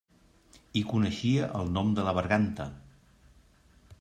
I coneixia el nom de la berganta!